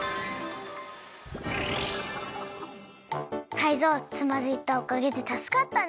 タイゾウつまずいたおかげでたすかったね！